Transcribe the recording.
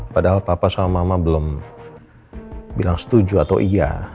padahal papa sama mama belum bilang setuju atau iya